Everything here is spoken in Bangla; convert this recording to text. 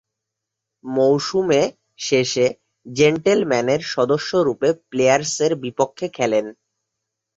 মৌসুমে শেষে জেন্টলম্যানের সদস্যরূপে প্লেয়ার্সের বিপক্ষে খেলেন।